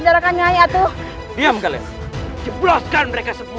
jangan lagi membuat onar di sini